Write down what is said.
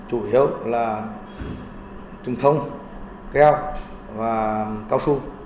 chủ yếu là trừng thông keo và cao su